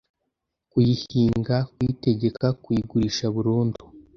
kuyihinga, kuyitegeka, kuyigurisha burundu